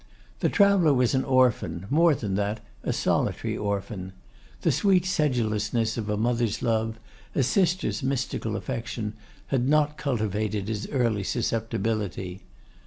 The traveller was an orphan, more than that, a solitary orphan. The sweet sedulousness of a mother's love, a sister's mystical affection, had not cultivated his early susceptibility.